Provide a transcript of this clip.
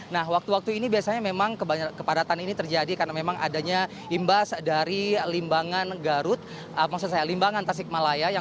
nah waktu waktu ini biasanya memang kepadatan ini terjadi karena memang adanya imbas dari limbangan tasik malaya